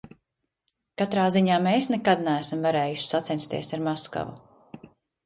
Katrā ziņā mēs nekad neesam varējuši sacensties ar Maskavu.